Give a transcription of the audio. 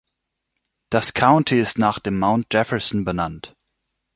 Das County ist nach dem Mount Jefferson benannt.